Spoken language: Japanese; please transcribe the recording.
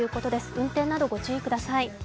運転などご注意ください。